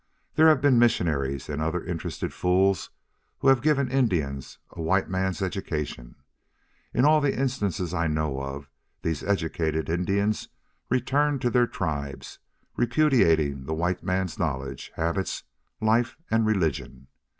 There have been missionaries and other interested fools who have given Indians a white man's education. In all the instances I know of, these educated Indians returned to their tribes, repudiating the white man's knowledge, habits, life, and religion.